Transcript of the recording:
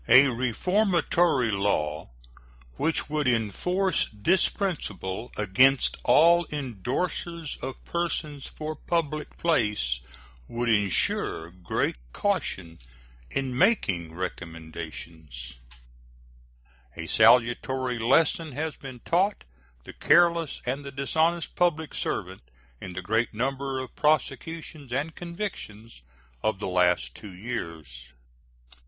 A reformatory law which would enforce this principle against all indorsers of persons for public place would insure great caution in making recommendations. A salutary lesson has been taught the careless and the dishonest public servant in the great number of prosecutions and convictions of the last two years.